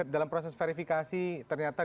dalam proses verifikasi ternyata